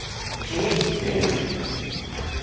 ｐＨって便利じゃん。